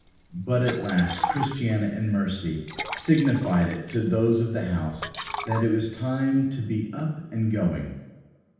But at last Christiana and Mercy signified it to those of the house that it was time for them to be up and going.